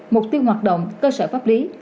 mục tiêu hoạt động cơ sở pháp lý